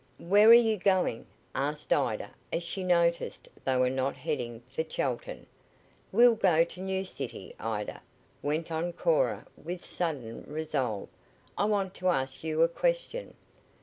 "Where are you going?" asked Ida as she noticed they were not heading for Chelton. "We'll go to New City, Ida," went on Cora with sudden resolve. "I want to ask you a question."